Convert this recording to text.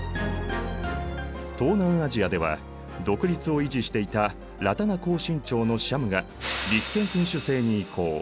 東南アジアでは独立を維持していたラタナコーシン朝のシャムが立憲君主制に移行。